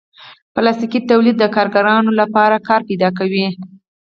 پلاستيکي تولید د کارګرانو لپاره کار پیدا کوي.